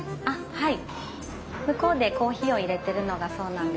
はい。